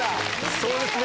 そうですね